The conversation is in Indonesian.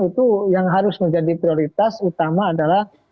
itu yang harus menjadi prioritas utama adalah